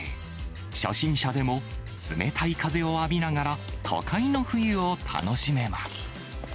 初心者でも冷たい風を浴びながら、都会の冬を楽しめます。